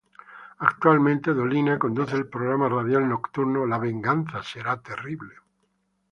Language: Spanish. Actualmente Dolina conduce el programa radial nocturno La venganza será terrible.